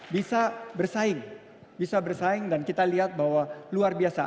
bisa bersaing bisa bersaing dan kita lihat bahwa luar biasa